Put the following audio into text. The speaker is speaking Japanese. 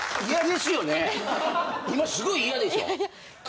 今すごい嫌でしょ。